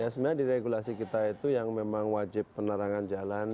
ya sebenarnya di regulasi kita itu yang memang wajib penerangan jalan